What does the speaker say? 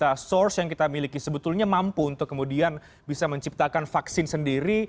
jadi anda melihat para peneliti kita sebetulnya mampu untuk kemudian bisa menciptakan vaksin sendiri